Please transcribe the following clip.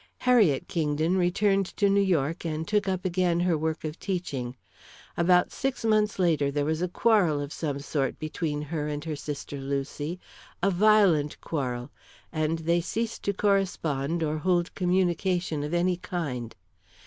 "Harriet Kingdon returned to New York and took up again her work of teaching. About six months later, there was a quarrel of some sort between her and her sister Lucy a violent quarrel and they ceased to correspond or hold communication of any kind.